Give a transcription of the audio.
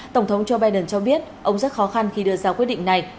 tổng thống joe biden cho biết ông rất khó khăn khi đưa ra quyết định này